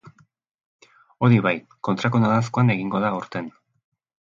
Hori bai, kontrako noranzkoan egingo da aurten.